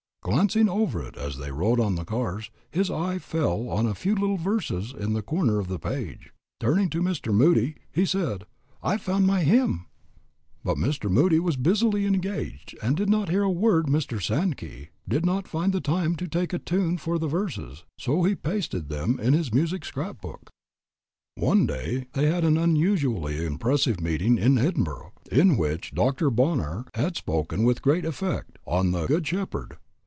Glancing over it as they rode on the cars, his eye fell on a few little verses in the corner of the page. Turning to Mr. Moody he said, 'I've found my hymn.' But Mr. Moody was busily engaged and did not hear a word. Mr. Sankey did not find time to make a tune for the verses, so he pasted them in his music scrapbook. "One day they had an unusually impressive meeting in Edinburg, in which Dr. Bonar had spoken with great effect on 'The Good Shepherd.'